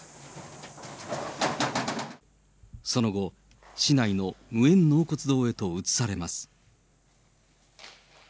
その後、市内の無縁納骨堂へと移されます。